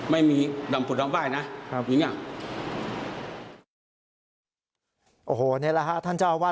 ไม่มีดำปลุดเรามในะครับ